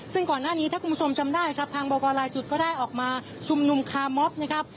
ซึ่งก่อนหน้านี้ถ้าคุณผู้ชมจำได้ครับทางบกลายจุดก็ได้ออกมาชุมนุมคาร์มอบนะครับ